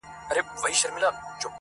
واخله دا دعا لمن کښې واچوه